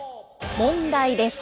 問題です。